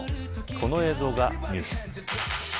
この映像がニュース。